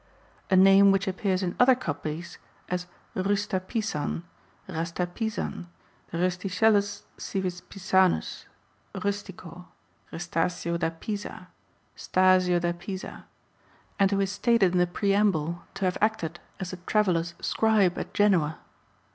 "" a name which appears in other copies as Rusta Pisan ^1*^°'°^ Rasta Pysan, Rustichelus Civis Pisanus, Rustico, Restazio p^^oner. da Pisa, Stazio da Pisa, and who is stated in the preamble to have acted as the Traveller's scribe at Genoa.